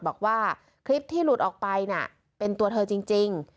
บอกว่าคลิปที่หลุดออกไปน่ะเป็นตัวเธอจริง